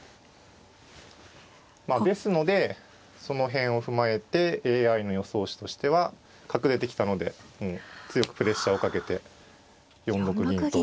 ですのでその辺を踏まえてＡＩの予想手としては角出てきたので強くプレッシャーをかけて４六銀と。